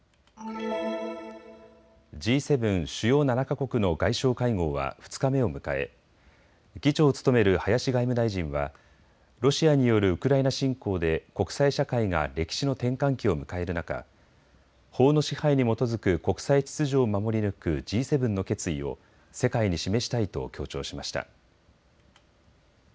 Ｇ７・主要７か国の外相会合は２日目を迎え議長を務める林外務大臣はロシアによるウクライナ侵攻で国際社会が歴史の転換期を迎える中、法の支配に基づく国際秩序を守り抜くＧ７の決意を世界に示したいと強調しました。